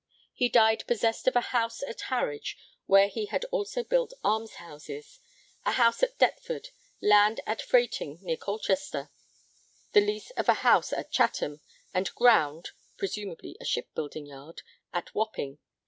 He died possessed of a house at Harwich, where he had also built almshouses; a house at Deptford; land at Frating, near Colchester; the lease of a house at Chatham; and 'ground' presumably a shipbuilding yard at Wapping.